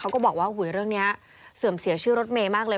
ก็บอกว่าเรื่องนี้เสื่อมเสียชื่อรถเมย์มากเลย